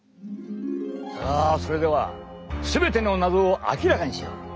さあそれでは全ての謎を明らかにしよう。